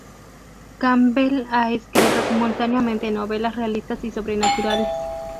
Campbell ha escrito simultáneamente novelas realistas y sobrenaturales.